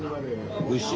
おいしい。